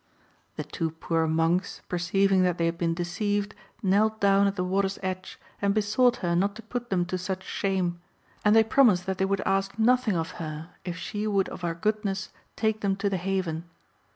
The two poor monks, perceiving that they had been deceived, knelt down at the water's edge and besought her not to put them to such shame; and they promised that they would ask nothing of her if she would of her goodness take them to the haven.